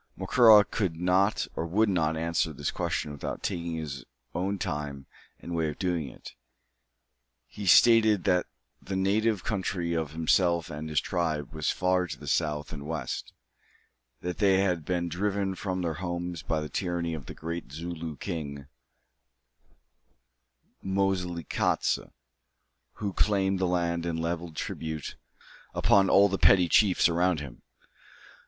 Macora could not or would not answer this question without taking his own time and way of doing it. He stated that the native country of himself and his tribe was far to the north and west; that they had been driven from their home by the tyranny of the great Zooloo King, Moselekatse, who claimed the land and levied tribute upon all the petty chiefs around him.